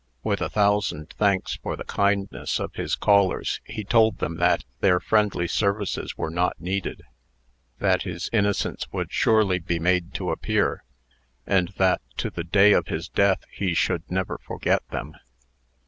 With a thousand thanks for the kindness of his callers, he told them that their friendly services were not needed; that his innocence would surely be made to appear; and that, to the day of his death, he should never forget them.